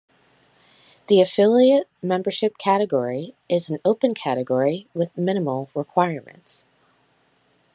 The Affiliate membership category is an open category with minimal requirements.